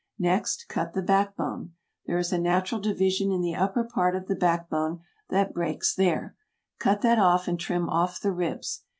Next cut the back bone. There is a natural division in the upper part of the back bone that breaks there; cut that off and trim off the ribs.